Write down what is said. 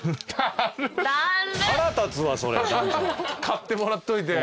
買ってもらっといて。